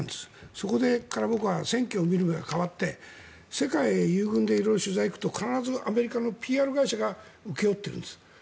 そこで僕は選挙を見る目が変わって世界に遊軍で取材に行くと必ずアメリカのＰＲ会社が請け負っているんです。